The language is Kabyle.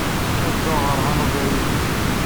Ad dduɣ ɣer Hanover yid-k.